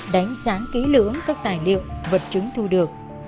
đánh sáng kỹ lưỡng các tài liệu vật chứng thu được